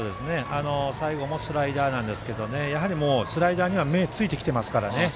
最後もスライダーですがやはりスライダーには目がついてきていますからね。